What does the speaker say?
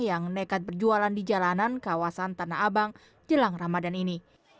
yang nekat berjualan di jalanan kawasan tanah abang jelang ramadan ini